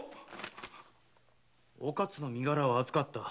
「お勝の身柄は預かった。